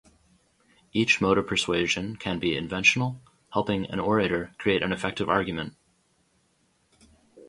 Each mode of persuasion can be inventional, helping an orator create an effective argument.